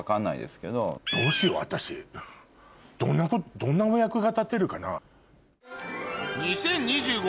どんなお役が立てるかな？